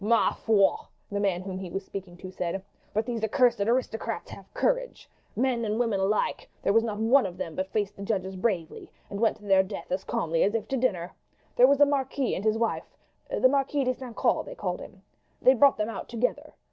"Ma foi!" the man whom he was speaking to said; "but these accursed aristocrats have courage. Men and women were alike; there was not one of them but faced the judges bravely and went to their death as calmly as if to dinner. There was a marquis and his wife the Marquis de St. Caux they called him. They brought them out together.